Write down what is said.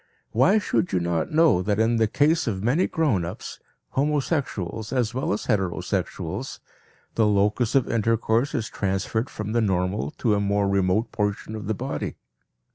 Why should you not know that in the case of many grown ups, homosexuals as well as heterosexuals, the locus of intercourse is transferred from the normal to a more remote portion of the body.